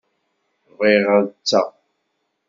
Bɣiɣ ad tteɣ.